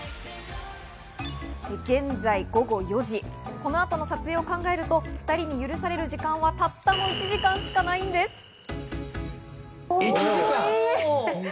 現在午後４時、この後の撮影を考えるとお２人に許される時間はたったの１時間しかないんです。